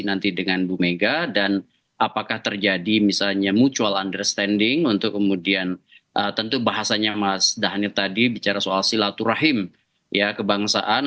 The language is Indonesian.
nanti dengan bu mega dan apakah terjadi misalnya mutual understanding untuk kemudian tentu bahasanya mas dhanil tadi bicara soal silaturahim ya kebangsaan